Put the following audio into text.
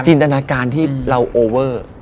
ตนาการที่เราโอเวอร์